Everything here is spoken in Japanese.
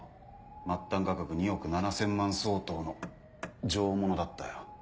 末端価格２億７０００万相当の上物だったよ。